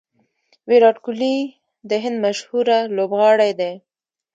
ویرات کهولي د هند مشهوره لوبغاړی دئ.